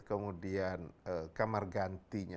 kemudian kamar gantinya